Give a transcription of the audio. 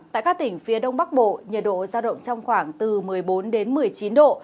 tại các tỉnh phía đông bắc bộ nhiệt độ giao động trong khoảng từ một mươi bốn đến một mươi chín độ